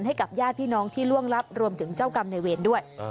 ให้กับญาติพี่น้องที่ล่วงลับรวมถึงเจ้ากรรมในเวรด้วย